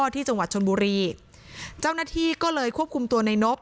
ที่จังหวัดชนบุรีเจ้าหน้าที่ก็เลยควบคุมตัวในนบ